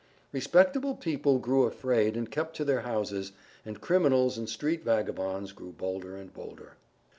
Respectable people grew afraid and kept to their houses, and criminals and street vagabonds grew bolder and bolder.